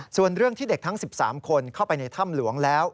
ส่วนเรื่องที่เด็กทั้ง๑๓คนเข้าไปในถ้ำหลวงแล้ว